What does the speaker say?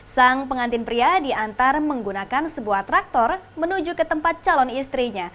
sang pengantin pria diantar menggunakan sebuah traktor menuju ke tempat calon istrinya